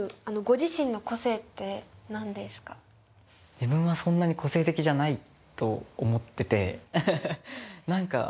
自分はそんなに個性的じゃないと思っててアハハ。